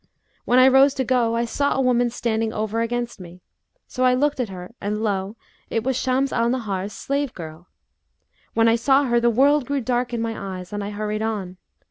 When I rose to go, I saw a woman standing over against me; so I looked at her, and lo! it was Shams al Nahar's slave girl. When I saw her, the world grew dark in my eyes and I hurried on.